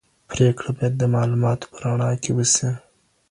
پرېکړه باید د معلوماتو په رڼا کي وسي.